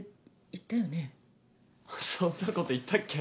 そんなこと言ったっけ？